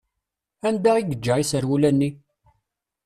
Anda i yeǧǧa iserwula-nni?